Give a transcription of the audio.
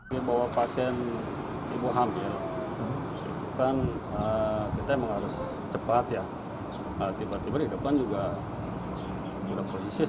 selasa siang saat telantas polres